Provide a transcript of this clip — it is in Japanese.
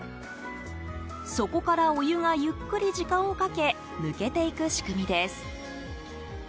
底からお湯がゆっくり時間をかけ抜けていく仕組みです。